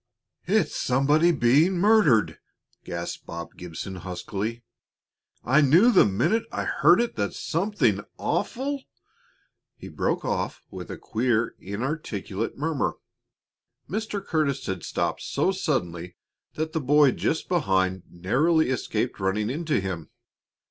"It's somebody being murdered!" gasped Bob Gibson, huskily. "I knew the minute I heard it that something awful " He broke off with a queer, inarticulate murmur. Mr. Curtis had stopped so suddenly that the boy just behind narrowly escaped running into him.